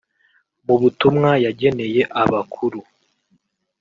Mu butumwa yageneye abakuru